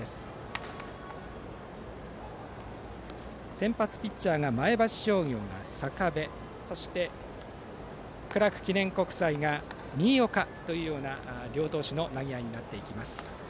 先発ピッチャーが前橋商業が坂部そしてクラーク記念国際が新岡という両投手の投げ合いになっていきます。